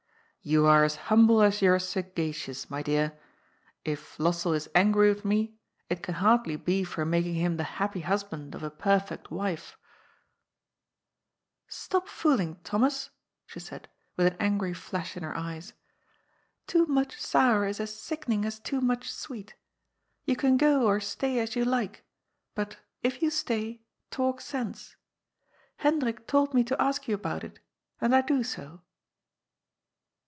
^' You are as humble as you are sagacious, my dear. If Lossell is angry with me, it can hardly be for making him the happy husband of a perfect wife." AIGBB DOUX. 235 '^ Stop fooling, Thomas/' she said, with an angry flash in her eyes. ^' Too much sour is as sickening as too much sweet. You can go, or stay, as you like. But, if you stay, talk sense. Hendrik told me to ask you about it And I do so.'